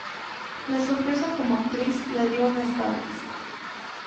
La sorpresa como actriz, la dio en las tablas.